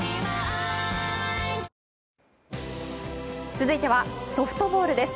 続いてはソフトボールです。